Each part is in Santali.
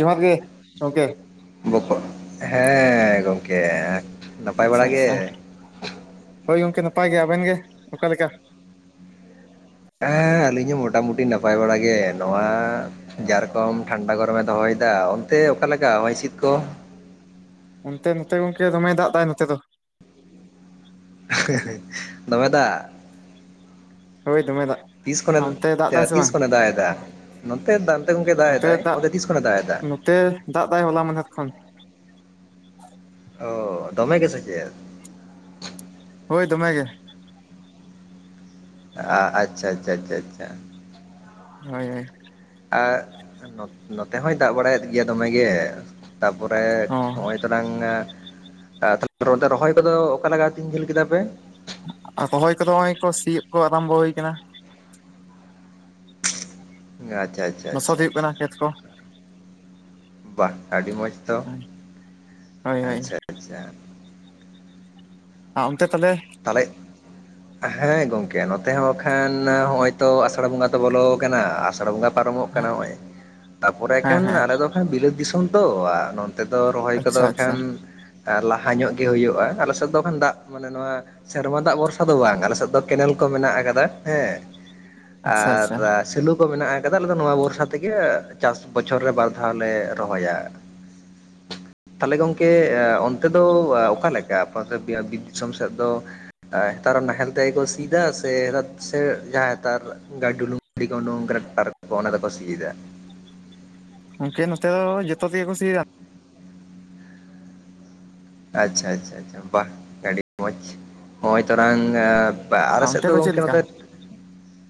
ᱡᱚᱦᱟᱨ ᱜᱮ ᱜᱚᱝᱠᱮ ᱵᱚᱠᱚ ᱦᱮᱸ ᱜᱚᱝᱠᱮ ᱱᱟᱯᱟᱭ ᱟᱪᱪᱷᱟ ᱵᱟᱲᱟ ᱟᱪᱪᱷᱟ ᱜᱮ? ᱦᱳᱭ ᱜᱚᱝᱠᱮ ᱱᱟᱯᱟᱭ ᱜᱮ ᱟᱵᱮᱱ ᱜᱮ ᱚᱠᱟᱞᱮᱠᱟ? ᱦᱮᱸ ᱟᱹᱞᱤᱧ ᱦᱚᱸ ᱢᱚᱴᱟ ᱢᱩᱴᱤ ᱱᱟᱯᱟᱭ ᱵᱟᱲᱟ ᱜᱮ ᱱᱚᱣᱟ ᱡᱟ ᱨᱚᱠᱚᱢ ᱴᱷᱟᱱᱰᱟ ᱜᱚᱨᱚᱢᱮ ᱫᱚᱦᱚᱭ ᱫᱟ ᱚᱱᱛᱮ ᱚᱠᱟ ᱞᱮᱠᱟ ᱦᱚᱭ ᱦᱤᱸᱥᱤᱫ ᱠᱚ? ᱚᱱᱛᱮ ᱱᱚᱛᱮ ᱜᱚᱝᱠᱮ ᱫᱚᱢᱮᱭ ᱫᱟᱜᱽ ᱫᱟᱭ ᱱᱚᱛᱮ ᱫᱚ ᱫᱚᱢᱮ ᱫᱟᱜᱽ ᱦᱳᱭ ᱫᱚᱢᱮ ᱫᱟᱜᱽ ᱛᱤᱥ ᱠᱷᱚᱱᱮ ᱛᱤᱥ ᱠᱷᱚᱱᱮ ᱫᱟᱜᱽ ᱮᱫᱟ ᱱᱚᱛᱮ [unintelligible] ᱜᱚᱝᱠᱮ ᱫᱟᱜᱽ ᱫᱟᱭ ᱚᱱᱛᱮ ᱛᱤᱥ ᱠᱷᱚᱱᱮ ᱫᱟᱜᱽ ᱮᱫᱟ? ᱛᱮ ᱫᱟᱜᱽ ᱫᱟᱭ ᱦᱚᱞᱟ ᱢᱟᱫᱷᱮᱨ ᱠᱷᱚᱱ᱾ ᱚ ᱫᱚᱢᱮ ᱜᱮᱥᱮ ᱪᱮᱫ ᱦᱳᱭ ᱫᱚᱢᱮ ᱜᱮ ᱟ ᱟᱪᱪᱷᱟ ᱟᱪᱪᱷᱟ ᱪᱷᱟ ᱪᱷᱟ ᱦᱳᱭ ᱦᱳᱭ ᱟᱻ ᱱᱚᱛᱮ ᱦᱚᱸᱭ ᱫᱟᱜᱽ ᱵᱟᱲᱟᱭᱮᱫ ᱜᱮᱭᱟ ᱫᱚᱢᱮᱜᱮ ᱛᱟᱯᱚᱨᱮ ᱦᱚᱸ ᱱᱚᱜᱼᱚᱭ [unintelligible] ᱛᱟᱞᱦᱮ ᱨᱚᱦᱚᱭ ᱠᱚᱫᱚ ᱚᱠᱟ ᱞᱮᱠᱟ ᱛᱤᱱ ᱡᱷᱟᱹᱞ ᱠᱮᱫᱟ ᱯᱮ? ᱨᱚᱦᱚᱭ ᱠᱚᱫᱚ ᱱᱚᱜᱼᱚᱭ ᱠᱚ ᱥᱤᱭᱩᱜ ᱠᱚ ᱟᱨᱟᱢᱵᱚ ᱦᱩᱭ ᱠᱟᱱᱟ᱾ ᱟᱪᱪᱷᱟ ᱟᱪᱪᱷᱟ ᱞᱚᱥᱚᱫ ᱟᱷᱟᱷᱟ ᱦᱩᱭᱩᱜ ᱠᱟᱱᱟ ᱟᱪᱷᱟ ᱠᱷᱮᱛ ᱠᱚ ᱵᱟᱦ ᱟᱹᱰᱤ ᱢᱚᱸᱡᱽ ᱛᱚ ᱦᱳᱭ ᱦᱳᱭ ᱟᱪᱪᱷᱟ ᱟᱪᱪᱷᱟ ᱟᱸ ᱚᱱᱛᱮ ᱛᱟᱞᱮ? ᱛᱟᱞᱮᱡ ᱦᱮᱸ ᱜᱚᱝᱠᱮ ᱱᱚᱛᱮ ᱦᱚᱸ ᱠᱷᱟᱱ ᱦᱚᱜᱼᱚᱭ ᱛᱚ ᱟᱥᱟᱲ ᱵᱚᱸᱜᱟ ᱛᱚ ᱵᱚᱞᱚ ᱠᱟᱱᱟ ᱟᱥᱟᱲ ᱵᱚᱸᱜᱟ ᱯᱟᱨᱚᱢᱚᱜ ᱠᱟᱱᱟ ᱱᱚᱜᱼᱚᱭ ᱛᱟᱯᱚᱨᱮ ᱦᱮᱸ ᱠᱷᱟᱱ ᱦᱮᱸ ᱟᱞᱮ ᱫᱚ ᱠᱷᱟᱱ ᱵᱤᱞᱟᱹᱛ ᱫᱤᱥᱚᱢ ᱛᱚ ᱟ ᱛᱮᱫᱚ ᱨᱚᱦᱚᱭ ᱠᱚᱫᱚ ᱟᱪᱪᱷᱟ ᱟᱪᱪᱷᱟ ᱠᱷᱟᱱ ᱞᱟᱦᱟ ᱧᱚᱜ ᱜᱮ ᱦᱩᱭᱩᱜᱼᱟ ᱟᱞᱮ ᱥᱮᱫ ᱫᱚ ᱫᱟᱜᱽ ᱢᱟᱱᱮ ᱱᱚᱣᱟ ᱥᱮᱨᱢᱟ ᱫᱟᱜ ᱵᱚᱨᱥᱟ ᱫᱚ ᱵᱟᱝ ᱟᱞᱮ ᱥᱮᱫ ᱫᱚ ᱠᱮᱱᱮᱞ ᱠᱚ ᱢᱮᱱᱟᱜ ᱟᱠᱟᱫᱟ ᱦᱮᱸ ᱟᱪᱪᱷᱟ ᱟᱨᱼᱼ ᱟᱪᱪᱷᱟ ᱥᱮᱞᱩ ᱠᱚ ᱢᱮᱱᱟᱜ ᱟᱠᱟᱫᱟ ᱟᱞᱮ ᱫᱚ ᱱᱚᱣᱟ ᱵᱚᱨᱥᱟ ᱛᱮᱜᱮ ᱪᱟᱥ ᱵᱚᱪᱷᱚᱨ ᱨᱮ ᱵᱟᱨ ᱫᱷᱟᱣ ᱞᱮ ᱨᱚᱦᱚᱭᱟ᱾ ᱟᱨ [inaudible] ᱛᱟᱞᱮ ᱜᱚᱝᱠᱮ ᱚᱱᱛᱮ ᱫᱚ ᱚᱠᱟ ᱞᱮᱠᱟ, ᱟᱯᱮᱭᱟᱜ ᱵᱤᱨ ᱫᱤᱥᱚᱢ ᱥᱮᱫ ᱫᱚ? ᱟᱹ ᱱᱮᱛᱟᱨ ᱦᱚᱸ ᱱᱟᱦᱮᱞ ᱛᱮ ᱜᱮ ᱠᱚ ᱥᱤᱭᱮᱫᱟ ᱥᱮ ᱱᱮᱛᱟᱨ ᱥᱮ ᱡᱟᱦᱟᱸ ᱛᱟᱨ ᱜᱟᱰ ᱰᱩᱞᱩᱝᱼᱼ [unintelligible] ᱚᱱᱚᱝ ᱠᱟᱱᱟ ᱚᱱᱟ ᱛᱮ ᱠᱚ ᱥᱤᱭᱮᱫᱟ᱾ ᱜᱚᱝᱠᱮ ᱱᱚᱛᱮ ᱫᱚ ᱡᱚᱛᱚ ᱛᱮᱜᱮ ᱠᱚ ᱥᱤᱭᱮᱫᱟ᱾ ᱟᱪᱷᱟ, ᱟᱪᱷᱟ-ᱟᱪᱷᱟ ᱵᱟᱦ ᱟᱹᱰᱤ ᱢᱚᱸᱡᱽ ᱱᱚᱜᱼᱚᱭ ᱛᱚᱨᱟᱝ ᱟ ᱟᱞᱮ ᱟᱨ ᱥᱮᱫ ᱚᱱᱛᱮ ᱫᱚ ᱪᱮᱫ ᱜᱚᱝᱠᱮ ᱞᱮᱠᱟ? ᱱᱚᱛᱮ,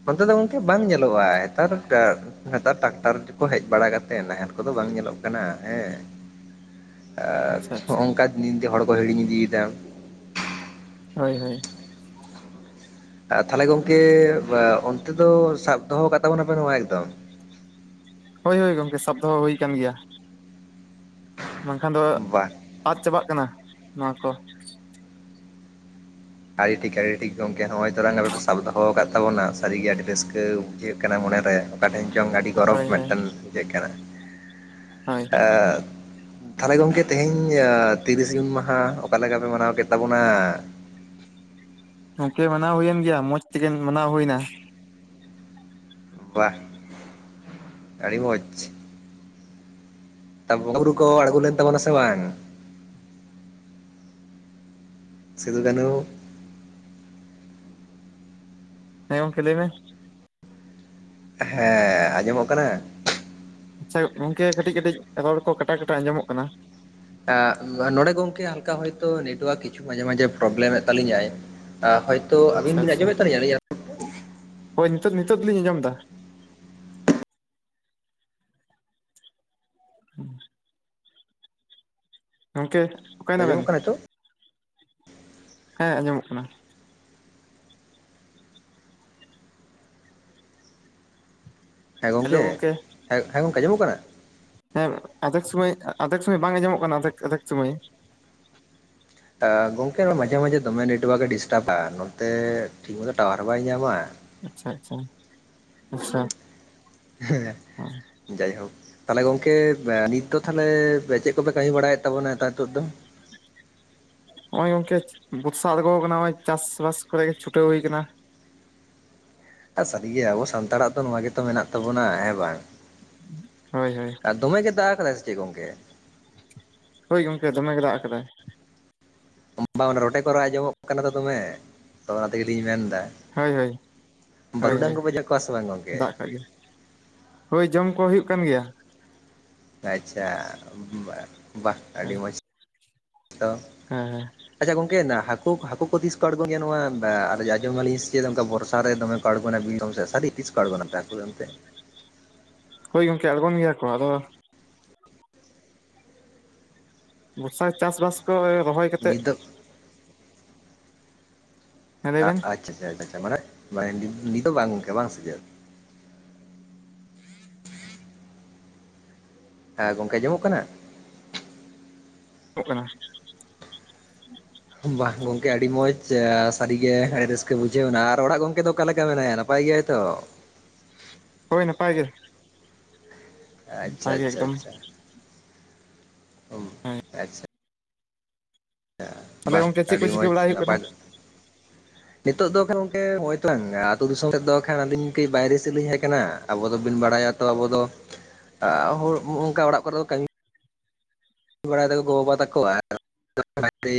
ᱱᱚᱱᱛᱮ ᱫᱚ ᱜᱚᱝᱠᱮ ᱵᱟᱝ ᱧᱮᱞᱚᱜᱚᱜᱼᱟ ᱱᱮᱛᱟᱨᱼᱼ ᱱᱮᱛᱟᱨ ᱴᱨᱟᱠᱴᱟᱨ ᱠᱚ ᱦᱮᱡ ᱵᱟᱲᱟ ᱠᱟᱛᱮᱫ ᱱᱟᱦᱮᱞ ᱠᱚᱫᱚ ᱵᱟᱝ ᱧᱮᱞᱚᱜ ᱠᱟᱱᱟ ᱦᱮᱸ᱾ ᱟᱨ ᱟᱪᱪᱷᱟ ᱦᱚ ᱟᱪᱪᱷᱟ ᱚᱱᱠᱟ ᱫᱤᱱ ᱛᱮ ᱦᱚᱲᱠᱚ ᱦᱤᱲᱤᱧ ᱤᱫᱤᱭᱮᱫᱟ᱾ ᱦᱳᱭ-ᱦᱳᱭ᱾ ᱟᱨ ᱛᱷᱟᱞᱮ ᱜᱚᱝᱠᱮ ᱚᱱᱛᱮ ᱫᱚ ᱥᱟᱵ ᱫᱚᱦᱚ ᱟᱠᱟᱫ ᱛᱟᱵᱚᱱᱟᱯᱮ ᱥᱮᱵᱟᱝ ᱮᱠᱫᱚᱢᱼᱼ ᱦᱳᱭ-ᱦᱳᱭ ᱜᱚᱢᱠᱮ ᱥᱟᱵ ᱫᱚᱦᱚ ᱦᱩᱭ ᱠᱟᱱ ᱜᱤᱭᱟ᱾ ᱵᱟᱝᱠᱷᱟᱱ ᱫᱚ ᱵᱟᱦ ᱟᱫᱽ ᱪᱟᱵᱟᱜ ᱠᱟᱱᱟ ᱱᱚᱣᱟ ᱠᱚ᱾ ᱟᱹᱰᱤ ᱴᱷᱤᱠ, ᱟᱹᱰᱤ ᱴᱷᱤᱠ ᱜᱚᱢᱠᱮ ᱱᱚᱸᱜᱼᱚᱭ ᱛᱚᱨᱟᱝ ᱟᱯᱮᱯᱮ ᱥᱟᱵ ᱫᱚᱦᱚ ᱟᱠᱟᱫ ᱛᱟᱵᱚᱱᱟ ᱥᱟᱹᱨᱤᱜᱮ ᱟᱹᱰᱤ ᱨᱟᱹᱥᱠᱟᱹ ᱵᱩᱡᱷᱟᱹᱜ ᱠᱟᱱᱟ ᱢᱚᱱᱮᱨᱮ᱾ ᱚᱠᱟᱴᱷᱮᱱ ᱪᱚᱝ ᱟᱹᱰᱤ ᱜᱚᱨᱚᱵᱽ ᱦᱳᱭ ᱦᱳᱭ ᱢᱤᱫᱴᱟᱝ ᱵᱩᱡᱷᱟᱹᱜ ᱠᱟᱱᱟ? ᱦᱳᱭ᱾ ᱟ ᱛᱷᱟᱞᱮ ᱜᱚᱝᱠᱮ ᱛᱮᱦᱤᱧ ᱛᱤᱨᱤᱥ ᱡᱩᱱ ᱢᱟᱦᱟ ᱚᱠᱟᱞᱮᱠᱟ ᱯᱮ ᱢᱟᱱᱟᱣ ᱠᱮᱫ ᱛᱟᱵᱚᱱᱟᱻᱻ ᱜᱚᱝᱠᱮ ᱢᱟᱱᱟᱣ ᱦᱩᱭᱮᱱ ᱜᱮᱭᱟ ᱢᱚᱸᱡᱽ ᱛᱮᱜᱮ ᱢᱟᱱᱟᱣ ᱦᱩᱭᱮᱱᱟ᱾ ᱵᱟᱦ, ᱟᱹᱰᱤ ᱢᱚᱸᱡᱽ᱾ ᱛᱟ ᱵᱚᱸᱜᱟ ᱵᱩᱨᱩ ᱠᱚ ᱟᱬᱜᱚ ᱞᱮᱱ ᱛᱟᱵᱚᱱᱟ ᱥᱮ ᱵᱟᱝ? ᱥᱤᱫᱩ ᱠᱟᱹᱱᱩ᱾ ᱦᱮᱸ ᱜᱚᱝᱠᱮ ᱞᱟᱹᱭᱢ ᱢᱮ? ᱦᱮᱸ, ᱟᱸᱡᱚᱢᱚᱜ ᱠᱟᱱᱟ? ᱟᱪᱷᱟ, ᱜᱚᱝᱠᱮ ᱠᱟᱹᱴᱤᱡ-ᱠᱟᱹᱴᱤᱡ ᱨᱚᱲ ᱠᱚ ᱠᱟᱴᱟ ᱠᱟᱴᱟ ᱟᱸᱡᱚᱢᱚᱜ ᱠᱟᱱᱟ ᱾ ᱱᱚᱰᱮ ᱜᱚᱝᱠᱮ ᱦᱟᱞᱠᱟ ᱦᱚᱭᱛᱳ ᱱᱮᱴᱣᱟᱨᱠ ᱠᱤᱪᱷᱩ ᱢᱟᱡᱷᱮ ᱢᱟᱡᱷᱮ ᱯᱨᱚᱵᱽᱞᱮᱢᱫ ᱛᱟᱹᱞᱤᱧᱟᱭ ᱾ ᱦᱚ [unintelligible] ᱟᱪᱷᱟ-ᱟᱪᱪᱷᱟ ᱾ ᱦᱳᱭ, ᱱᱤᱛᱚᱜ-ᱱᱤᱛᱚᱜ ᱫᱚᱞᱤᱧ ᱟᱸᱡᱚᱢ ᱮᱫᱟ ᱾ ᱦᱩᱸ [inaudible] ᱜᱚᱝᱠᱮ? ᱚᱠᱟᱭᱱᱟᱵᱮᱱ ᱟᱸᱡᱚᱢᱚᱜ ᱠᱟᱱᱟ ᱱᱤᱛᱚᱜ? ᱦᱮᱸ, ᱟᱸᱡᱚᱢᱚᱜ ᱠᱟᱱᱟ ᱾ ᱦᱮᱸ, ᱜᱚᱝᱠᱮ ᱦᱮᱸ ᱜᱚᱝᱠᱮ ᱟᱸᱚᱢᱚᱜ ᱠᱟᱱᱟ ᱾ ᱦᱮᱸ, ᱟᱫᱷᱮᱠ ᱥᱚᱢᱚᱭ ᱟᱫᱷᱮᱠ ᱥᱚᱢᱚᱭ ᱵᱟᱝ ᱟᱸᱡᱚᱢᱚᱜ ᱠᱟᱱᱟ ᱟᱫᱷᱮᱠ-ᱟᱫᱷᱮᱠ ᱥᱚᱢᱚᱭ ᱾ ᱜᱚᱝᱠᱮ ᱢᱟᱡᱷᱮ-ᱢᱟᱡᱷᱮ ᱫᱚᱢᱮ ᱱᱮᱴᱚᱣᱟᱨᱠ ᱮ ᱰᱤᱥᱴᱟᱹᱵᱟ, ᱱᱚᱛᱮ ᱴᱷᱤᱠ ᱛᱮ ᱴᱟᱣᱟᱨ ᱵᱟᱭ ᱧᱟᱢᱟ ᱾ ᱟᱪᱷᱟ-ᱟᱪᱷᱟ, ᱟᱪᱷᱟ ᱾ ᱦᱮᱸ ᱾ ᱡᱟᱭᱦᱚ, ᱛᱟᱦᱚᱞᱮ ᱜᱚᱝᱠᱮ ᱱᱤᱛ ᱫᱚ ᱛᱟᱦᱚᱞᱮ ᱪᱮᱫ ᱠᱚᱯᱮ ᱠᱟᱹᱢᱤ ᱵᱟᱲᱟᱭᱮᱫ ᱛᱟᱵᱚᱱᱟ ᱱᱮᱛᱟᱨ ᱱᱤᱛᱚᱜ ᱫᱚ? [inaudible] ᱱᱚᱜᱼᱚᱭ ᱜᱚᱝᱠᱮ ᱵᱚᱨᱥᱟ ᱟᱬᱜᱚ ᱟᱠᱟᱱᱟ, ᱱᱚᱜᱼᱚᱭ ᱪᱟᱥᱵᱟᱥ ᱠᱚᱨᱮ ᱜᱮ ᱪᱷᱩᱴᱟᱹᱣ ᱦᱩᱭ ᱟᱠᱟᱱᱟ ᱾ ᱥᱟᱹᱨᱤᱜᱮ ᱟᱵᱚ ᱥᱟᱱᱛᱟᱲᱟᱜ ᱫᱚ ᱱᱚᱣᱟ ᱜᱮᱛᱚ ᱢᱮᱱᱟᱜ ᱛᱟᱵᱚᱱᱟ ᱾ ᱦᱮᱸ ᱵᱟᱝ? ᱦᱳᱭ - ᱦᱳᱭ ᱾ ᱟᱨ ᱫᱚᱢᱮ ᱜᱮ ᱫᱟᱜ ᱟᱠᱟᱫᱟᱭ ᱥᱮ ᱪᱮ ᱜᱚᱝᱠᱮ? ᱦᱳᱭ ᱜᱚᱝᱠᱮ, ᱫᱚᱢᱮ ᱜᱮ ᱫᱟᱜ ᱟᱠᱟᱫᱟᱭ ᱾ ᱵᱟᱝ ᱚᱸᱰᱮ ᱨᱚᱴᱮ ᱠᱚ ᱨᱟᱜ ᱟᱸᱡᱚᱢᱚᱜ ᱠᱟᱱᱟ ᱛᱚ ᱫᱚᱢᱮ, ᱛᱚ ᱚᱱᱟ ᱛᱮᱜᱮᱞᱤᱧ ᱢᱮᱱᱮᱫᱟ ᱾ ᱦᱳᱭ-ᱦᱳᱭ, ᱦᱳᱭ-ᱦᱳᱭ, ᱠᱚᱣᱟ ᱥᱮ ᱵᱟᱝ ᱜᱚᱝᱠᱮ? ᱫᱟᱜ ᱟᱠᱟᱫ ᱜᱮ ᱾ ᱦᱳᱭ, ᱡᱚᱢ ᱠᱚ ᱦᱩᱭᱩᱜ ᱠᱟᱱ ᱜᱮᱭᱟ ᱾ ᱟᱪᱷᱟ, ᱵᱟᱦ ᱟᱹᱰᱤ ᱦᱮᱸ ᱢᱚᱡᱽ ᱛᱚ ᱾ ᱦᱮᱸ ᱦᱮᱸ ᱾ ᱟᱪᱪᱷᱟ ᱜᱚᱝᱠᱮ, ᱦᱟᱹᱠᱩ ᱦᱟᱹᱠᱩ ᱠᱚ ᱛᱤᱥ ᱠᱚ ᱟᱲᱜᱚᱱ ᱜᱮᱭᱟ ᱱᱚᱣᱟ ᱮ ᱟᱸᱡᱚᱢ ᱫᱟᱹᱞᱤᱧ ᱥᱮ ᱪᱮᱫ ᱚᱱᱠᱟ ᱵᱚᱨᱥᱟ ᱨᱮ ᱫᱚᱢᱮ ᱟᱲᱜᱚᱱᱟ ᱥᱟᱨᱤ ᱛᱤᱥ ᱠᱚ ᱟᱲᱜᱚᱱᱟ ᱟᱯᱮ ᱚᱱᱛᱮ? ᱦᱳᱭ ᱜᱚᱢᱠᱮ ᱟᱲᱜᱳᱱ ᱜᱮᱭᱟ ᱠᱚ, ᱟᱫᱚ ᱵᱚᱨᱥᱟ ᱪᱟᱥ ᱵᱟᱥ ᱠᱚ ᱨᱚᱦᱚᱭ ᱠᱟᱛᱮᱜ ᱱᱤᱛᱚᱜ ᱦᱮᱸ ᱞᱟᱹᱭ ᱵᱮᱱ ᱟᱪᱪᱷᱟ ᱪᱷᱟ ᱪᱷᱟ ᱢᱟᱱᱮ ᱢᱟᱱ ᱱᱤᱛ ᱫᱚ ᱵᱟᱝ ᱜᱮ ᱠᱟᱹ ᱵᱟᱝ ᱥᱮ ᱪᱮᱫ? ᱦᱮᱸ ᱜᱚᱝᱠᱮ ᱟᱸᱡᱚᱢᱚᱜ ᱠᱟᱱᱟ? [unintelligible] ᱠᱟᱱᱟ ᱾ ᱵᱟᱜᱦ ᱜᱚᱢᱠᱮ ᱟᱹᱰᱤ ᱢᱚᱡᱽ ᱥᱟᱹᱨᱤᱜᱮ ᱟᱹᱰᱤ ᱨᱟᱹᱥᱠᱟᱹ ᱵᱩᱡᱷᱟᱹᱣ ᱮᱱᱟ ᱟᱨ ᱚᱲᱟᱜ ᱜᱚᱝᱠᱮ ᱫᱚ ᱚᱠᱟ ᱞᱮᱠᱟ ᱢᱮᱱᱟᱭᱟ ᱱᱟᱯᱟᱭ ᱜᱮᱭᱟ ᱛᱚ? ᱦᱳᱭ ᱱᱟᱯᱟᱭ ᱜᱮ ᱾ ᱟᱪᱪᱷᱟ ᱟᱪᱪᱷᱟ ᱮᱠᱫᱚᱢ ᱟᱪᱪᱷᱟ ᱟᱪᱪᱷᱟ ᱾ ᱛᱟᱦᱚᱞᱮ ᱵᱟᱝ ᱜᱚᱝᱠᱮ ᱪᱮ ᱠᱚ ᱟᱹᱰᱤ ᱪᱤᱠᱟᱹ ᱢᱚᱸᱡᱽ ᱵᱟᱲᱟ ᱦᱩᱭᱩᱜ ᱠᱟᱱᱟ? ᱱᱟᱯᱟᱭ ᱱᱤᱛᱚᱜ ᱫᱚ ᱱᱚᱜᱼᱚᱭ ᱛᱚ ᱵᱟᱝ ᱟᱹᱛᱩ ᱫᱤᱥᱚᱢ ᱥᱮᱫ ᱫᱚ ᱠᱷᱟᱱ ᱟᱹᱞᱤᱧ ᱠᱟᱹᱡ ᱵᱟᱭᱨᱮ ᱥᱮᱫ ᱞᱤᱧ ᱦᱮᱡ ᱟᱠᱟᱱᱟ ᱾ ᱟᱵᱚ ᱫᱚᱵᱤᱱ ᱵᱟᱲᱟᱭᱟ ᱛᱚ ᱟᱵᱚ ᱫᱚ ᱚᱱᱠᱟ ᱚᱲᱟᱜ ᱠᱚᱨᱮ ᱫᱚ ᱠᱟᱹᱢᱤ ᱠᱟᱢᱤ ᱵᱟᱲᱟᱭ ᱫᱟᱠᱚ ᱜᱳᱵᱟᱵᱟ ᱛᱟᱠᱚ [unintelligible] ᱮ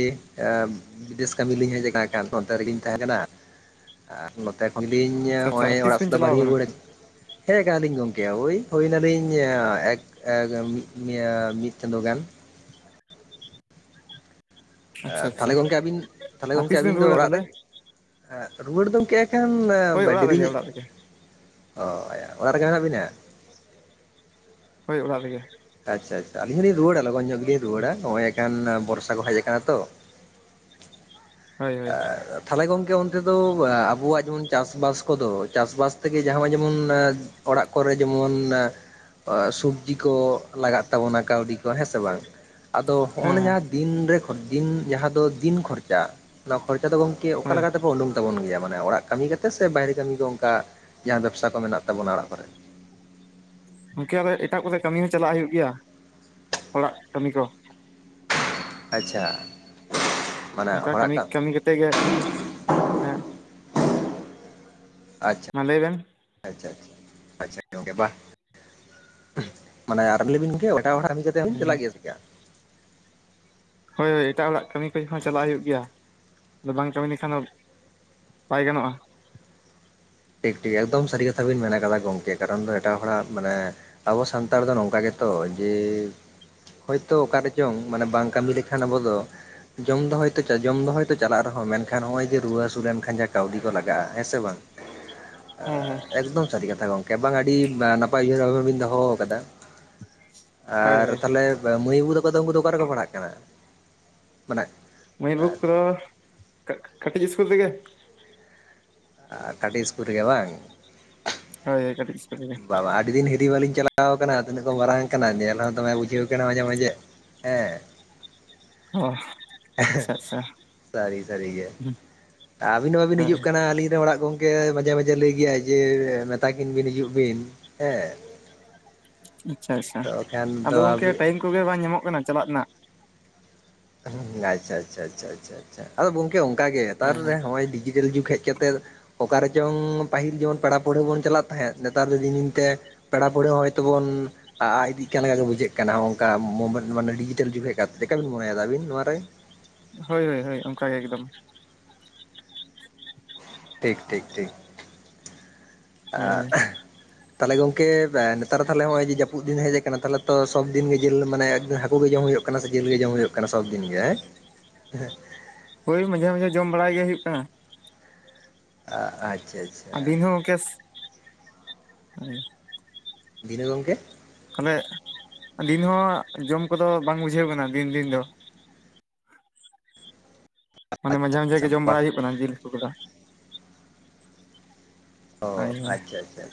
ᱵᱤᱫᱮᱥ ᱠᱟᱹᱢᱤ ᱞᱤᱧ ᱦᱮᱡ ᱟᱠᱟᱱ ᱚᱱᱛᱮ ᱨᱮᱜᱮᱧ ᱛᱟᱦᱮᱸ ᱠᱟᱱᱟ, ᱟᱨ ᱱᱚᱛᱮ ᱠᱷᱚᱱᱞᱤᱧ ᱟᱪᱪᱷᱟ ᱟᱪᱪᱷᱟ ᱱᱚᱜᱼᱚᱭ ᱛᱤᱥ ᱚᱲᱟᱜ ᱥᱮᱥ ᱵᱤᱱ ᱫᱚ ᱪᱟᱞᱟᱣ ᱵᱟᱹᱞᱤᱧ ᱠᱟᱱᱟ ᱨᱩᱣᱟᱹᱲᱟ ᱦᱮᱡ ᱠᱟᱱᱟ ᱞᱤᱧ ᱜᱚᱝᱠᱮ ᱳᱭ ᱦᱩᱭ ᱮᱱᱟᱞᱤᱧ ᱮᱠ ᱮᱜ ᱤᱭᱟ ᱢᱤ ᱢᱤᱫ ᱪᱟᱸᱫᱚ ᱜᱟᱱ ᱾ ᱮ ᱟᱪᱪᱷᱟ ᱟᱪᱪᱷᱟ ᱛᱟᱦᱚᱞᱮ ᱜᱚᱝᱠᱮ ᱟᱵᱤᱱ ᱛᱟᱦᱚᱞᱮ ᱟᱨ ᱜᱚᱝᱠᱮ ᱛᱤᱥ ᱵᱤᱱ ᱟᱵᱤᱱ ᱫᱚ ᱨᱩᱣᱟᱹᱲᱟ ᱚᱲᱟᱜ ᱨᱮ? ᱛᱟᱦᱚᱞᱮ ᱨᱩᱣᱟᱹᱲ ᱫᱚ ᱮᱱᱠᱷᱟᱱ ᱦᱳᱭ ᱚᱲᱟᱜ ᱰᱮᱵᱤ ᱨᱮᱜᱮ ᱧᱚᱜ ᱚᱲᱟᱜ ᱨᱮᱜᱮ ᱚ ᱚᱲᱟᱜ ᱨᱮᱜᱮ ᱢᱮᱱᱟᱜ ᱵᱤᱱᱟ? ᱦᱳᱭ ᱚᱲᱟᱜ ᱨᱮᱜᱮ ᱾ ᱟᱪᱪᱷᱟ ᱟᱪᱪᱷᱟ ᱟᱹᱞᱤᱧ ᱦᱚᱞᱤᱧ ᱨᱩᱣᱟᱹᱲᱟ ᱞᱚᱜᱚᱱ ᱧᱚᱜ ᱜᱮᱞᱤᱧ ᱨᱩᱣᱟᱹᱲᱟ ᱱᱚᱜ ᱚᱭ ᱮᱠᱟᱱ ᱵᱚᱨᱥᱟ ᱠᱚ ᱦᱮᱡ ᱟᱠᱟᱱᱟ ᱛᱚ ᱦᱳᱭ ᱦᱳᱭ᱾ ᱛᱟᱦᱚᱞᱮ ᱜᱚᱢᱠᱮ ᱚᱱᱛᱮ ᱫᱚ ᱟᱵᱚᱣᱟᱜ ᱡᱮᱢᱚᱱ ᱪᱟᱥᱵᱟᱥ ᱠᱚᱫᱚ ᱪᱟᱥᱵᱟᱥ ᱛᱮᱜᱮ ᱡᱟᱦᱟᱸ ᱡᱮᱢᱚᱱ ᱚᱲᱟᱜ ᱠᱚᱨᱮ ᱡᱮᱢᱚᱱ ᱟ ᱥᱚᱵᱡᱤ ᱠᱚ ᱞᱟᱜᱟᱜ ᱛᱟᱵᱚᱱᱟ ᱠᱟᱹᱣᱰᱤ ᱠᱚ ᱦᱮᱸ ᱥᱮ ᱵᱟᱝ? ᱟᱫᱚ ᱦᱮᱸ ᱦᱚᱜᱼᱱᱟ ᱦᱮᱸ ᱡᱟᱦᱟᱸ ᱫᱤᱱᱨᱮ ᱫᱤᱱ ᱡᱟᱦᱟᱸ ᱫᱚ ᱫᱤᱱ ᱠᱷᱚᱨᱪᱟ ᱚᱱᱟ ᱠᱷᱚᱨᱪᱟ ᱫᱚ ᱜᱚᱢᱠᱮ ᱚᱠᱟ ᱦᱳᱭ ᱞᱮᱠᱟ ᱛᱮ ᱵᱚ ᱩᱰᱩᱝ ᱛᱟᱵᱚᱱ ᱜᱮᱭᱟ ᱢᱟᱱᱮ ᱚᱲᱟᱜ ᱠᱟᱹᱢᱤ ᱠᱟ ᱛᱮ ᱥᱮ ᱵᱟᱭᱨᱮ ᱠᱟᱹᱢᱤ ᱠᱚ ᱚᱱᱠᱟ ᱡᱟᱦᱟᱸ ᱵᱮᱵᱽᱥᱟ ᱠᱚ ᱢᱮᱱᱟᱜ ᱛᱟᱵᱚᱱᱟ ᱚᱲᱟᱜ ᱠᱚᱨᱮ? ᱜᱚᱢᱠᱮ ᱮᱴᱟᱜ ᱠᱚᱨᱮ ᱠᱟᱹᱢᱤ ᱦᱚᱸ ᱪᱟᱞᱟᱜ ᱦᱩᱭᱩᱜ ᱜᱮᱭᱟ ᱦᱚᱲᱟᱜ ᱠᱟᱹᱢᱤ ᱠᱚ᱾ ᱟᱪᱪᱷᱟ᱾ ᱢᱟᱱᱮ ᱚᱱᱠᱟ ᱦᱚᱲᱟᱜ ᱠᱟᱹᱢᱤ ᱠᱟᱜ ᱠᱟᱹᱢᱤ ᱠᱟᱛᱮᱫ ᱜᱮ ᱦᱮᱸ ᱟᱪ ᱢᱟ ᱞᱟᱹᱭᱵᱮᱱ, ᱟᱪᱪᱷᱟ ᱟᱪᱪᱷᱟ ᱟᱪᱪᱷᱟ ᱜᱚᱢᱠᱮ ᱵᱟᱦ ᱢᱟᱱᱮ ᱟᱨ [inaudible] ᱮᱴᱟᱜ ᱦᱚᱲᱟ ᱦᱳᱭ ᱪᱟᱞᱟᱜ ᱜᱮᱭᱟ ᱪᱤᱠᱟ? ᱦᱳᱭ ᱦᱳᱭ ᱮᱴᱟᱜ ᱦᱚᱲᱟᱜ ᱠᱟᱹᱢᱤ ᱠᱚ ᱦᱚᱸ ᱪᱟᱞᱟᱜ ᱦᱩᱭᱩᱜ ᱜᱮᱭᱟ ᱟᱫᱚ ᱵᱟᱝ ᱠᱟᱹᱢᱤ ᱞᱮᱠᱷᱟᱱ ᱫᱚ ᱵᱟᱭ ᱜᱟᱱᱚᱜᱼᱟ, ᱴᱷᱤᱠ ᱴᱷᱤᱠ ᱮᱠᱫᱚᱢ ᱥᱟᱹᱨᱤ ᱠᱟᱛᱷᱟ ᱵᱤᱱ ᱢᱮᱱ ᱠᱟᱫᱟ ᱜᱚᱢᱠᱮ ᱠᱟᱨᱚᱱ ᱮᱴᱟᱜ ᱦᱚᱲᱟᱜ ᱢᱟᱱᱮ ᱟᱵᱚ ᱥᱟᱱᱛᱟᱲ ᱫᱚ ᱱᱚᱝᱠᱟ ᱜᱮᱛᱚ ᱡᱮ ᱦᱳᱭᱛᱳ ᱚᱠᱟᱨ ᱨᱮ ᱪᱚᱝ ᱢᱟᱱᱮ ᱵᱟᱝ ᱠᱟᱹᱢᱤ ᱞᱮᱠᱷᱟᱱ ᱟᱵᱚ ᱫᱚ ᱡᱚᱢ ᱫᱚᱦᱚᱭ ᱛᱚ ᱡᱚᱢ ᱫᱚᱦᱚᱭ ᱛᱚ ᱪᱟᱞᱟᱜ ᱨᱮᱦᱚᱸ ᱢᱮᱱᱠᱷᱟᱱ ᱱᱚᱜ- ᱚᱭ ᱡᱮ ᱨᱩᱣᱟᱹ ᱦᱟᱹᱥᱩ ᱞᱮᱱᱠᱷᱟᱱ ᱡᱟ ᱠᱟᱹᱣᱰᱤ ᱠᱚ ᱞᱟᱜᱟᱜᱼᱟ ᱦᱮᱸ ᱥᱮ ᱵᱟᱝ, ᱦᱮᱸ ᱦᱮᱸ ᱮᱠᱫᱚᱢ ᱥᱟᱹᱨᱤ ᱠᱟᱛᱷᱟ ᱜᱚᱝᱠᱮ ᱵᱟᱝ ᱟᱹᱰᱤ ᱱᱟᱯᱟᱭ ᱩᱭᱦᱟᱹᱨ ᱵᱷᱟᱵᱱᱟ ᱵᱮᱱ ᱵᱤᱱ ᱫᱚᱦᱚ ᱟᱠᱟᱫᱟ, ᱦᱳᱭ ᱟᱨ ᱦᱳᱭ ᱛᱟᱦᱚᱞᱮ ᱢᱟᱹᱭ ᱵᱟᱹᱵᱩ ᱛᱟᱠᱚ ᱫᱚ ᱩᱱᱠᱩ ᱫᱚ ᱚᱠᱟ ᱨᱮᱠᱚ ᱯᱟᱲᱦᱟᱜ ᱠᱟᱱᱟ? ᱢᱮᱱᱟᱜ ᱢᱟᱹᱭ ᱵᱟᱹᱵᱩ ᱠᱚᱫᱚ ᱠᱟᱹᱴᱤᱡ ᱤᱥᱠᱩᱞ ᱛᱮᱜᱮ, ᱟᱨ ᱠᱟᱹᱴᱤᱡ ᱤᱥᱠᱩᱞ ᱨᱮᱜᱮ ᱵᱟᱝ? ᱦᱳᱭ ᱠᱟᱹᱴᱤᱡ ᱤᱥᱠᱩᱞ ᱨᱮᱜᱮ ᱵᱟ ᱵᱟ ᱟᱹᱰᱤ ᱫᱤᱱ ᱦᱤ ᱟᱹᱰᱤ ᱵᱟᱹᱞᱤᱧ ᱪᱟᱞᱟᱣ ᱟᱠᱟᱱᱟ ᱛᱤᱱᱟᱹᱜ ᱠᱚ ᱢᱟᱨᱟᱝ ᱟᱠᱟᱱᱟ ᱧᱮᱞ ᱦᱚᱸ ᱫᱚᱢᱮ ᱵᱩᱡᱷᱟᱹᱣ ᱠᱟᱱᱟ ᱢᱟᱡᱷᱮᱸ ᱢᱟᱡᱷᱮᱸ ᱦᱮᱸ, ᱚ ᱾ ᱥᱟᱹᱨᱤ-ᱥᱟᱹᱨᱤ ᱜᱮ, ᱟᱹᱵᱤᱱ ᱵᱟᱸᱵᱤᱱ ᱦᱤᱡᱩᱜ ᱦᱳᱭ ᱠᱟᱱᱟ ᱟᱹᱞᱤᱧ ᱨᱮᱱ ᱚᱲᱟᱜ ᱠᱚᱼᱼ ᱮ ᱢᱟᱡᱷᱮ-ᱢᱟᱡᱷᱮ ᱞᱟᱹᱭ ᱜᱮᱭᱟᱭ ᱡᱮ ᱢᱮᱛᱟ ᱠᱤᱱ ᱵᱤᱱ ᱦᱤᱡᱩᱜ ᱵᱤᱱ ᱦᱮᱸ? ᱟᱪᱷᱟ-ᱟᱪᱷᱟ, ᱛᱚ ᱠᱷᱟᱱ ᱟᱫᱚ ᱫᱚ ᱜᱚᱝᱠᱮ ᱟᱹᱵᱤᱱ ᱴᱟᱭᱤᱢ ᱠᱚᱜᱮ ᱵᱟᱝ ᱧᱟᱢᱚᱜ ᱠᱟᱱᱟ ᱪᱟᱞᱟᱜ ᱨᱮᱱᱟᱜ᱾ ᱦᱮᱸ ᱟᱪᱷᱟ-ᱟᱪᱷᱟ ᱟᱪᱷᱟ-ᱟᱪᱷᱟ ᱟᱪᱷᱟ ᱟᱫᱚ ᱜᱚᱝᱠᱮ ᱚᱱᱠᱟ ᱜᱮ ᱱᱮᱛᱟᱨᱮ ᱱᱚᱜ ᱚᱭ ᱰᱤᱡᱤᱴᱮᱞ ᱡᱩᱜ ᱦᱮᱡ ᱠᱟᱛᱮᱫᱼᱼ ᱚᱠᱟ ᱨᱮᱪᱚᱝ ᱯᱟᱹᱦᱤᱞ ᱡᱮᱢᱚᱱ ᱯᱮᱲᱟ ᱯᱟᱹᱲᱦᱟᱹ ᱵᱚᱱ ᱪᱟᱞᱟᱜ ᱛᱟᱦᱮᱸᱫ ᱱᱮᱛᱟᱨ ᱫᱚ ᱫᱤᱱ ᱫᱤᱱ ᱛᱮ ᱯᱮᱲᱟ ᱯᱟᱹᱲᱦᱟᱹ ᱦᱚᱭᱛᱳ ᱵᱚᱱ ᱟᱜ ᱤᱫᱤᱜ ᱠᱟᱱ ᱞᱮᱠᱟ ᱜᱮ ᱠᱚ ᱵᱩᱡᱷᱟᱹᱜ ᱠᱟᱱᱟ ᱚᱱᱠᱟ ᱢᱚᱢᱮᱴ ᱢᱟᱱᱮ ᱰᱤᱡᱤᱴᱟᱞ ᱡᱩᱜᱽ ᱦᱮᱡ ᱠᱟᱛᱮ ᱪᱮᱠᱟ ᱵᱤᱱ ᱢᱚᱱᱮ ᱫᱟ ᱟᱵᱤᱱ ᱱᱚᱣᱟ ᱨᱮ? ᱦᱳᱭ, ᱦᱳᱭ-ᱦᱳᱭ ᱚᱱᱠᱟ ᱜᱮ ᱮᱠᱫᱚᱢ ᱾ [unintelligible] ᱴᱷᱤᱠ, ᱴᱷᱤᱠ-ᱴᱷᱤᱠ ᱟᱻ ᱛᱟᱦᱚᱞᱮ ᱜᱚᱝᱠᱮ ᱱᱮᱛᱟᱨ ᱛᱟᱦᱚᱞᱮ ᱱᱚᱜ ᱚᱭ ᱡᱮ ᱡᱟᱹᱯᱩᱫ ᱫᱤᱱ ᱦᱮᱡ ᱟᱠᱟᱱᱟ ᱛᱟᱦᱚᱞᱮ ᱛᱚ ᱥᱚᱵ ᱫᱤᱱ ᱜᱮ ᱡᱤᱞ ᱢᱟᱱᱮ ᱦᱟᱹᱠᱩ ᱜᱮ ᱡᱚᱢ ᱦᱩᱭᱩᱜ ᱠᱟᱱᱟ? ᱛᱟᱞᱦᱮᱸ ᱥᱮ ᱡᱤᱞ ᱜᱮ ᱡᱚᱢ ᱦᱩᱭᱩᱜ ᱠᱟᱱᱟ ᱥᱚᱵ ᱫᱤᱱ ᱜᱮ ᱦᱮᱸ᱾ ᱦᱳᱭ ᱢᱟᱡᱷᱮ-ᱢᱟᱡᱷᱮ ᱡᱚᱢᱵᱟᱲᱟᱭ ᱜᱮ ᱦᱩᱭᱩᱜ ᱠᱟᱱᱟ᱾ ᱟᱪᱷᱟ-ᱟᱪᱷᱟ ᱾ ᱟᱨ ᱫᱤᱱ ᱦᱚᱸ ᱠᱮᱥ ᱦᱩᱸᱼᱼ ᱫᱤᱱ ᱦᱚᱸ ᱜᱚᱝᱠᱮᱼᱼ ᱛᱟᱦᱚᱞᱮ, ᱟᱞᱤᱱ ᱦᱚᱸᱦᱟᱸᱜ ᱡᱚᱢ ᱠᱚᱫᱚ ᱵᱟᱝ ᱵᱩᱡᱷᱟᱹᱣ ᱟᱠᱟᱱᱟ ᱫᱤᱱ-ᱫᱤᱱ ᱫᱚᱼᱼ ᱢᱟᱱᱮ ᱟᱪᱪᱷᱟ ᱢᱟᱡᱷᱮ-ᱢᱟᱡᱷᱮ ᱟᱪᱪᱷᱟ ᱜᱮ ᱡᱚᱢ ᱵᱟ ᱵᱟᱲᱟᱭ ᱦᱩᱭᱩᱜ ᱠᱟᱱᱟ ᱡᱤᱞ ᱠᱚᱫᱚ᱾ ᱦᱳᱭ ᱟᱪᱷᱟ-ᱟᱪᱷᱟ᱾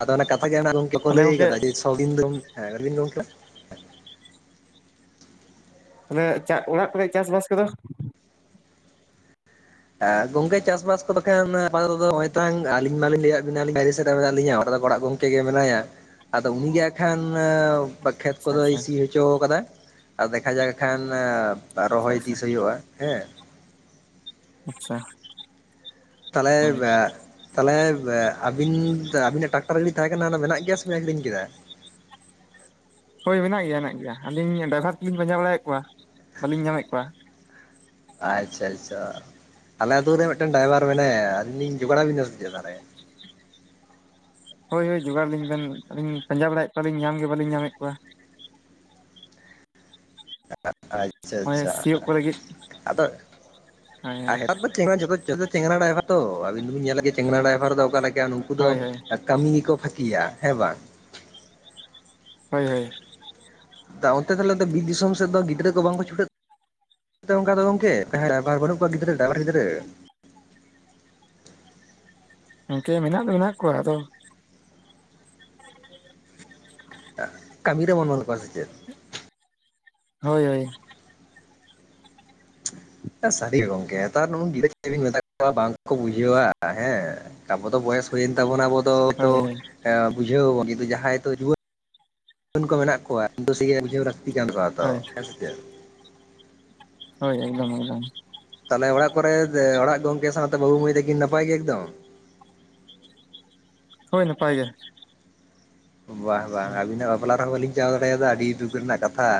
ᱟᱫᱚ ᱚᱱᱟ ᱠᱟᱛᱷᱟ ᱜᱮ ᱚᱱᱟ ᱜᱚᱝᱠᱮ ᱠᱚ ᱛᱟᱦᱚᱞᱮ ᱞᱟᱹᱭ ᱜᱚᱝᱠᱮ ᱠᱟᱫᱟ ᱡᱮ [inaudible] ᱜᱚᱢᱠᱮ ᱛᱟᱞᱦᱮᱸ ᱪᱟ ᱚᱲᱟᱜ ᱠᱚᱨᱮ ᱪᱟᱥᱵᱟᱥ ᱠᱚᱫᱚᱼᱼ ᱮ ᱜᱚᱝᱠᱮ ᱪᱟᱥ ᱠᱚᱫᱚ ᱠᱷᱟᱱ [inaudible] ᱟᱹᱞᱤᱧ ᱢᱟᱞᱤᱧ ᱞᱟᱹᱭᱟᱫ ᱵᱮᱱᱟ ᱵᱟᱭᱨᱮ ᱥᱮᱫ ᱨᱮ ᱢᱮᱱᱟᱜ ᱞᱤᱧᱟ ᱫᱚ ᱚᱲᱟᱜ ᱜᱚᱝᱠᱮ ᱛᱮᱜᱮ ᱢᱮᱱᱟᱭᱟ ᱟᱫᱚ ᱩᱱᱤᱜᱮ ᱮᱠᱷᱟᱱ ᱠᱷᱮᱛ ᱟᱪᱪᱷᱟ ᱠᱚᱫᱚᱭ ᱟᱪᱪᱷᱟ ᱥᱤ ᱦᱚᱪᱚ ᱟᱠᱟᱫᱟ ᱟᱨ ᱫᱮᱠᱷᱟ ᱡᱟᱠ ᱠᱷᱟᱱ ᱟᱪᱪᱷᱟ ᱨᱚᱦᱚᱭ ᱟᱪᱪᱷᱟ ᱛᱤᱥ ᱦᱩᱭᱩᱜᱼᱟ? ᱦᱮᱸ᱾ ᱟᱪᱷᱟ ᱾ ᱛᱟᱞᱮ ᱵᱮᱼᱼ ᱛᱟᱦᱚᱞᱮ ᱟᱹᱵᱤᱱ ᱟᱵᱤᱱᱟᱜ ᱴᱟᱠᱴᱟᱨ ᱜᱟᱹᱰᱤ ᱛᱟᱦᱮᱸ ᱠᱟᱱᱟ ᱚᱱᱟ ᱢᱮᱱᱟᱜ ᱜᱮᱭᱟ ᱥᱮ ᱵᱤᱱ ᱟᱠᱷᱨᱤᱧ ᱠᱮᱫᱟ? ᱦᱳᱭ ᱢᱮᱱᱟᱜ ᱜᱮᱭᱟ ᱦᱮᱱᱟᱜ ᱜᱮᱭᱟ ᱟᱹᱞᱤᱧ ᱰᱟᱭᱵᱷᱟᱨ ᱛᱮᱞᱤᱧ ᱯᱟᱸᱡᱟ ᱵᱟᱲᱟᱭᱮᱫ ᱠᱚᱣᱟ ᱵᱟᱹᱞᱤᱧ ᱧᱟᱢᱮᱫ ᱠᱚᱣᱟ᱾ ᱟᱪᱷᱟ-ᱟᱪᱷᱟ ᱟᱞᱮ ᱟᱹᱛᱩ ᱨᱮ ᱢᱤᱫᱴᱮᱱ ᱰᱨᱟᱭᱵᱟᱨ ᱢᱮᱱᱟᱭᱟ ᱟᱹᱞᱤᱧ ᱞᱤᱧ ᱡᱚᱜᱟᱲ ᱟᱵᱤᱱᱟ ᱥᱮ ᱪᱮᱫ ᱫᱟᱦᱚᱞᱮᱼᱼ ᱦᱳᱭ-ᱦᱳᱭ ᱡᱚᱜᱟᱲᱟᱞᱤᱧ ᱵᱮᱱ ᱟᱹᱞᱤᱧ ᱯᱟᱸᱡᱟ ᱵᱟᱲᱟᱭᱮᱫ ᱠᱚᱣᱟᱞᱤᱧ ᱧᱟᱢ ᱜᱮ ᱵᱟᱹᱞᱤᱧ ᱧᱟᱢᱮᱫ ᱠᱚᱣᱟ᱾ ᱦᱳᱭ ᱟᱪᱷᱟ-ᱟᱪᱷᱟ ᱥᱤᱭᱳᱜ ᱠᱚ ᱞᱟᱹᱜᱤᱫ ᱟᱫᱚ ᱦᱳᱭ ᱡᱚᱛᱚ ᱼᱼ ᱡᱚᱛᱚ ᱪᱮᱝᱨᱟ ᱰᱟᱭᱵᱟᱨ ᱛᱚ ᱟᱞᱤᱧ ᱫᱚᱵᱤᱱ ᱧᱮᱞ ᱞᱟᱹᱜᱤᱫ ᱪᱮᱝᱨᱟ ᱰᱟᱭᱵᱟᱨ ᱫᱚ ᱚᱠᱟᱞᱮ ᱞᱮᱠᱟ ᱱᱩᱠᱩ ᱫᱚᱼᱼ ᱦᱳᱭ ᱦᱳᱭ ᱠᱟᱹᱢᱤ ᱜᱮᱠᱚ ᱯᱷᱟᱹᱠᱤᱭᱟᱼᱜ ᱦᱮᱸ ᱵᱟᱝ ᱾ ᱦᱳᱭ-ᱦᱳᱭ᱾ ᱚᱱᱛᱮ ᱛᱟᱦᱚᱞᱮ ᱛᱚ ᱵᱤᱨ ᱫᱤᱥᱚᱢ ᱥᱮᱫ ᱫᱚ ᱜᱤᱫᱽᱨᱟᱹ ᱠᱚ ᱵᱟᱝᱠᱚ ᱪᱷᱩᱴᱟᱹᱜ ᱠᱟᱱᱟᱼᱼ ᱚᱱᱠᱟ ᱫᱚ ᱜᱚᱝᱠᱮ ᱰᱟᱭᱵᱟᱨ ᱵᱟᱹᱱᱩᱜ ᱠᱚᱣᱟ ᱜᱤᱫᱽᱨᱟᱹ ᱰᱟᱭᱵᱟᱨ ᱜᱤᱫᱽᱨᱟᱹᱼᱼ ᱜᱚᱝᱠᱮ ᱢᱮᱱᱟᱜ ᱫᱚ ᱢᱮᱱᱟᱜ ᱠᱚᱣᱟ ᱟᱫᱚᱼᱼ ᱠᱟᱹᱢᱤ ᱨᱮ ᱢᱚᱱᱚᱞ ᱠᱚᱣᱟ ᱥᱮ ᱪᱮᱫ᱾ ᱦᱳᱭ-ᱦᱳᱭ᱾ ᱥᱟᱹᱨᱤ ᱜᱮ ᱜᱚᱝᱠᱮ ᱱᱮᱛᱟᱨ ᱨᱮᱱ ᱜᱤᱫᱽᱨᱟᱹ ᱪᱮᱫ ᱵᱤᱱ ᱢᱮᱛᱟ ᱠᱚᱣᱟ ᱵᱟᱝ ᱠᱚ ᱵᱩᱡᱷᱟᱹᱣᱟ ᱦᱮᱸ ᱾ ᱛᱟᱵᱚ ᱫᱚ ᱵᱚᱭᱮᱥ ᱦᱩᱭ ᱮᱱ ᱛᱟᱵᱚᱱᱟ ᱟᱵᱚ ᱫᱚ ᱛᱚᱼᱼ ᱦᱳᱭ ᱦᱳᱭ ᱵᱩᱡᱷᱟᱹᱣᱟᱵᱚᱱ ᱠᱤᱱᱛᱩ ᱡᱟᱦᱟᱸᱭ ᱱᱤᱛᱚᱜ ᱡᱩᱣᱟᱹᱱ-ᱡᱩᱣᱟᱹᱱ ᱠᱚ ᱢᱮᱱᱟᱜ ᱠᱚᱣᱟ ᱵᱩᱡᱷᱟᱹᱣᱼᱼ ᱦᱳᱭ ᱦᱮᱸ ᱥᱮ ᱪᱮᱫ᱾ ᱦᱳᱭ ᱮᱠᱫᱚᱢ-ᱮᱠᱫᱚᱢ᱾ ᱛᱟᱦᱚᱞᱮ ᱚᱲᱟᱜ ᱠᱚᱨᱮ, ᱚᱲᱟᱜ ᱜᱚᱝᱠᱮ ᱥᱟᱶᱛᱮ ᱵᱟᱹᱵᱩ ᱢᱟᱹᱭ ᱛᱟᱹᱠᱤᱱ ᱱᱟᱯᱟᱭ ᱜᱮ ᱮᱠᱫᱚᱢ? ᱦᱳᱭ ᱱᱟᱯᱟᱭ ᱜᱮ᱾ ᱵᱟᱦ-ᱵᱟᱦ ᱟᱹᱵᱤᱱᱟᱜ ᱵᱟᱯᱞᱟ ᱨᱮᱦᱚᱸ ᱵᱟᱹᱞᱤᱧ ᱪᱟᱞᱟᱣ ᱫᱟᱲᱮᱭᱟᱫᱟ ᱟᱹᱰᱤ ᱫᱩᱠ ᱨᱮᱱᱟᱜ ᱠᱟᱛᱷᱟ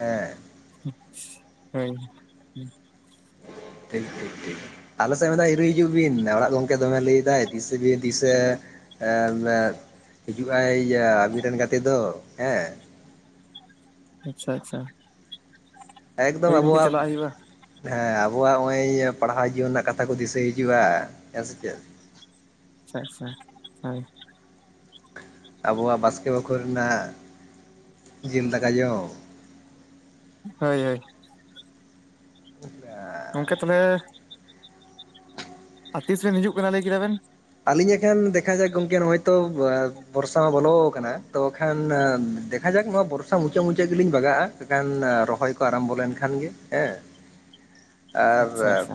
ᱦᱮᱸᱼᱼ [inaudible] [inaudible] ᱴᱷᱤᱠ ᱴᱷᱤᱠ ᱴᱷᱤᱠ, ᱟᱞᱮ ᱥᱮᱫ ᱢᱮᱫ ᱫᱷᱟᱣ ᱦᱤᱨᱤ ᱦᱤᱡᱩᱜ ᱵᱤᱱ ᱚᱲᱟᱜ ᱜᱚᱝᱠᱮ ᱫᱚᱢᱮ ᱞᱟᱹᱭᱫᱟᱭ ᱛᱤᱥᱮ ᱵᱤᱱ ᱛᱤᱥᱮ, ᱮ ᱦᱤᱡᱩᱜ ᱟᱭ ᱟᱵᱤᱱ ᱨᱮᱱ ᱜᱟᱛᱮ ᱫᱚ ᱦᱮᱸ, ᱟᱪᱷᱟ ᱟᱪᱷᱟ ᱾ ᱮᱠᱫᱚᱢ ᱟᱵᱚᱣᱟᱜ, ᱦᱩᱭᱩᱜᱼᱟ ᱦᱮᱸ ᱟᱵᱚᱣᱟᱜ ᱱᱚᱜᱼᱚᱭ ᱯᱟᱲᱦᱟᱣ ᱡᱤᱭᱚᱱ ᱨᱮᱱᱟᱜ ᱠᱟᱛᱷᱟ ᱠᱚ ᱫᱤᱥᱟᱹ ᱦᱤᱡᱩᱜᱼᱟ ᱦᱮᱸ ᱥᱮ ᱪᱮᱫ? ᱟᱪᱷᱟ ᱟᱪᱷᱟ ᱦᱳᱭ ᱾ ᱟᱵᱚᱣᱟᱜ ᱵᱟᱥᱠᱮ ᱵᱟᱠᱷᱳᱞ ᱨᱮᱱᱟᱜ ᱡᱤᱞ ᱫᱟᱠᱟ ᱡᱚᱢ ᱾ ᱦᱳᱭ ᱦᱳᱭ ᱾ [inaudible] ᱜᱚᱝᱠᱮ ᱛᱚᱵᱮ, ᱟᱨ ᱛᱤᱥ ᱵᱮᱱ ᱦᱤᱡᱩᱜ ᱠᱟᱱᱟ ᱞᱟᱹᱭ ᱠᱮᱫᱟ ᱵᱮᱱ, ᱟᱹᱞᱤᱧ ᱮᱠᱷᱟᱱ ᱫᱮᱠᱷᱟ ᱡᱟᱠ ᱜᱚᱝᱠᱮ ᱱᱚᱜᱼᱚᱭ ᱛᱚ ᱵᱚᱨᱥᱟ ᱢᱟ ᱵᱚᱞᱚ ᱟᱠᱟᱱᱟ ᱛᱚ ᱠᱷᱟᱱ ᱫᱮᱠ ᱫᱮᱠᱷᱟ ᱡᱟᱠ ᱱᱚᱣᱟ ᱵᱚᱨᱥᱟ ᱢᱩᱪᱟᱹᱫ ᱢᱩᱪᱟᱹᱫ ᱜᱮᱞᱤᱧ ᱵᱟᱜᱟᱜᱼᱟ ᱮᱠᱷᱟᱱ ᱨᱚᱦᱚᱭ ᱠᱚ ᱟᱨᱚᱢᱵᱚ ᱞᱮᱱᱠᱷᱟᱱ ᱜᱮ ᱦᱮᱸ, [inaudible] ᱟᱪᱷᱟ ᱟᱪᱷᱟ,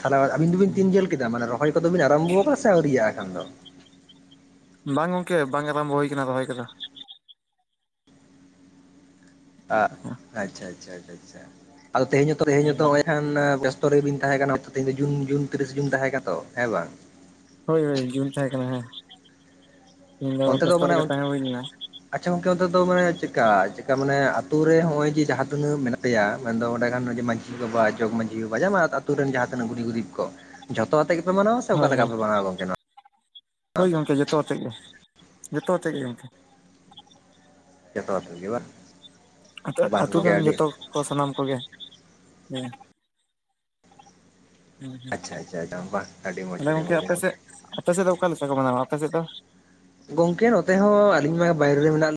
ᱛᱟᱦᱚᱞᱮ ᱟᱹᱵᱤᱱ ᱫᱚᱵᱤᱱ ᱛᱤᱱ ᱡᱷᱮᱞ ᱠᱮᱫᱟ ᱢᱟᱱᱮ ᱨᱚᱦᱚᱭ ᱠᱚᱫᱚ ᱵᱤᱱ ᱟᱨᱚᱢᱵᱷᱚ ᱟᱠᱟᱫᱟ ᱥᱮ ᱟᱹᱣᱤᱭᱟᱜᱼᱟ ᱮᱠᱷᱟᱱ ᱫᱚ, ᱵᱟᱝ ᱜᱚᱝᱠᱮ ᱵᱟᱝ ᱟᱨᱚᱢᱵᱚ ᱦᱩᱭ ᱠᱟᱱᱟ ᱨᱚᱦᱚᱭ ᱠᱚᱫᱚ ᱾ ᱟᱪᱪᱷᱟ ᱟᱪᱪᱷᱟ [unintelligible] ᱟᱷᱟᱷᱟ ᱟᱫᱚ ᱛᱮᱦᱮᱧ ᱦᱚᱛᱚ ᱛᱮᱦᱮᱧ ᱦᱚᱛᱚ ᱱᱚᱜ [unintelligible] ᱵᱮᱥᱛᱚ ᱨᱮᱵᱤᱱ ᱛᱟᱦᱮᱸ ᱠᱟᱱᱟ ᱛᱮᱦᱮᱧ ᱡᱩᱱ ᱡᱩᱱ ᱛᱤᱨᱤᱥ ᱡᱩᱱ ᱛᱟᱦᱮᱸ ᱠᱟᱱ ᱛᱫ ᱦᱮᱸ ᱵᱟᱝ ᱾ ᱦᱳᱭ ᱦᱳᱭ ᱡᱩᱱ ᱛᱟᱦᱮᱸ ᱠᱟᱱᱟ ᱦᱮᱸ ᱤᱧ ᱫᱚ ᱚᱱᱛᱮ ᱵᱮᱥᱛᱚ ᱢᱟᱱᱮ ᱛᱮᱜᱮ ᱛᱟᱦᱮᱸ ᱦᱩᱭ ᱞᱮᱱᱟ ᱾ ᱟᱪᱪᱷᱟ ᱜᱚᱝᱠᱮ ᱚᱱᱛᱮ ᱫᱚ ᱢᱟᱱᱮ ᱪᱮᱠᱟ ᱪᱮᱠᱟ ᱢᱟᱱᱮ ᱟᱛᱳ ᱨᱮ ᱱᱚᱜᱼᱚᱭ ᱡᱮ ᱡᱟᱦᱟᱸ ᱛᱤᱱᱟᱹᱜ ᱢᱮᱱᱟᱜ ᱯᱮᱭᱟ ᱢᱮᱱᱫᱚ ᱚᱸᱰᱮ ᱠᱷᱟᱱ ᱢᱟᱺᱡᱷᱤ [inaudible] [unintelligible] ᱢᱺᱡᱷᱤ ᱵᱟᱵᱟ ᱡᱚᱜᱽ ᱢᱟᱹᱡᱷᱤ ᱵᱟᱵᱟ ᱡᱟᱢᱟ ᱟᱛᱩ ᱨᱮᱱ ᱡᱟᱦᱟᱸ ᱛᱤᱱᱟᱹᱜ ᱜᱩᱤ ᱜᱩᱨᱤᱯ ᱠᱚ, ᱡᱷᱚᱛᱚ ᱟᱛᱮ ᱜᱮᱯᱮ ᱢᱟᱱᱟᱣᱟ ᱥᱮ ᱚᱠᱟ ᱦᱳᱭ ᱞᱮᱠᱟ ᱦᱳᱭ ᱯᱮ ᱢᱟᱱᱟᱣᱟ ᱜᱚᱝᱠᱮ ᱱᱚᱣᱟ ᱫᱚ? ᱡᱚᱛᱚᱛᱮᱫ ᱜᱮ ᱡᱚᱛᱚᱛᱮᱫ ᱜᱮ ᱜᱚᱝᱠᱮ ᱾ ᱡᱚᱛᱚ ᱟᱛᱮ ᱜᱮ ᱵᱟᱝ? ᱵᱟᱝ ᱟᱹᱛᱩ ᱜᱚᱝᱠᱮ ᱨᱮᱱ ᱟᱹᱰᱤ ᱡᱚᱛᱚ ᱠᱚ ᱥᱟᱱᱟᱢ ᱠᱚᱜᱮ ᱦᱮᱸ᱾ ᱟᱪᱪᱷᱟ ᱟᱪᱪᱷᱟ ᱟᱪᱪᱷᱟ ᱵᱟᱝ ᱟᱹᱰᱤ ᱢᱚᱸᱡᱽ ᱦᱮᱸ ᱫᱟᱜ ᱟᱹᱰᱤ ᱢᱚᱸᱡᱽ ᱜᱚᱝᱠᱮ ᱟᱹᱰᱤ ᱟᱯᱮ ᱢᱚᱸᱡᱽ ᱥᱮᱫ ᱟᱯᱮ ᱥᱮᱫ ᱫᱚ ᱚᱠᱟ ᱞᱮᱠᱟ ᱠᱚ ᱢᱟᱱᱟᱣᱟ ᱟᱯᱮ ᱥᱮᱫ ᱫᱚ? ᱜᱚᱝᱠᱮ ᱱᱚᱛᱮ ᱦᱚᱸ ᱟᱹᱞᱤᱧ ᱢᱟ ᱵᱟᱭᱨᱮ ᱨᱮ ᱢᱮᱱᱟᱜ ᱞᱤᱧᱟ,